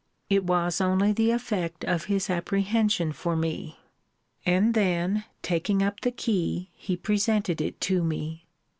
It was only the effect of his apprehension for me. And then taking up the key, he presented it to me.